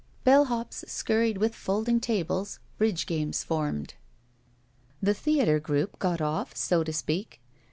BeU hops scurried with folding tables. Bridge games formed. The theater group got off, so to speak.